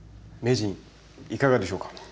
名人いかがでしょうか？